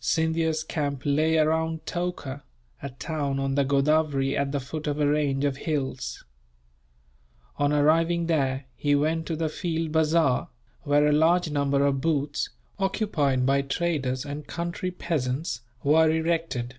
Scindia's camp lay around Toka, a town on the Godavery at the foot of a range of hills. On arriving there he went to the field bazaar, where a large number of booths, occupied by traders and country peasants, were erected.